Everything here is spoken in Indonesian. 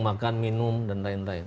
makan minum dan lain lain